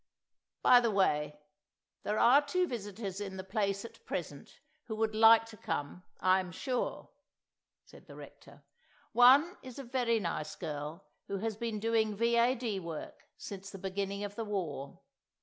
"By the way, there are two visitors in the place at present, who would like to come, I am sure," said the Rector, "One is a very nice girl, who has been doing V.A.D. work since the beginning of the War.